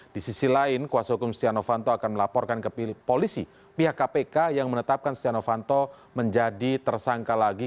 di sisi lain kuasa hukum setia novanto akan melaporkan ke polisi pihak kpk yang menetapkan setia novanto menjadi tersangka lagi